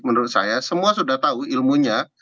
menurut saya semua sudah tahu ilmunya